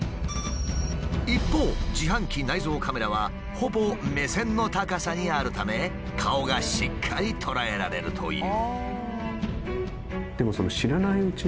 一方自販機内蔵カメラはほぼ目線の高さにあるため顔がしっかり捉えられるという。